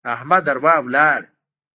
د احمد اروا ولاړه.